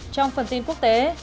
trong phần tin quốc tế